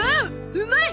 うまい！